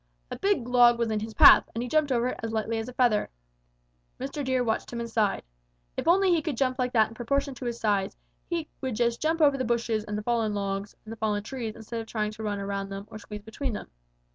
A big log was in his path, and he jumped over it as lightly as a feather. Mr. Deer watched him and sighed. If only he could jump like that in proportion to his size, he would just jump over the bushes and the fallen logs and the fallen trees instead of trying to run around them or squeeze between them.